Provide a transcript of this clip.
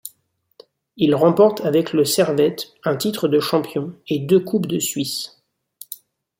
Il remporte avec le Servette un titre de champion, et deux Coupes de Suisse.